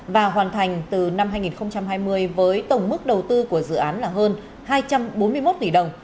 và hoàn thành từ năm hai nghìn hai mươi với tổng mức đầu tư của dự án là hơn hai trăm bốn mươi một tỷ đồng